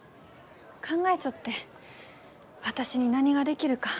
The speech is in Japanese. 考えちょって私に何ができるか。